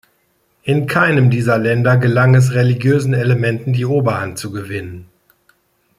In keinem dieser Länder gelang es religiösen Elementen, die Oberhand zu gewinnen.